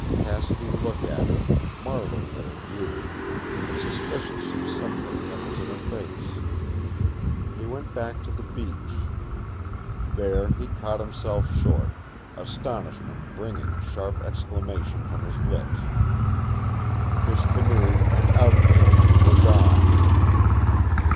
Cassidy looked at her, marveling at her beauty, and suspicious of something that was in her face. He went back to the beach. There he caught himself short, astonishment bringing a sharp exclamation from his lips. His canoe and outfit were gone!